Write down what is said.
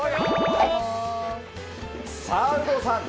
さあ、有働さん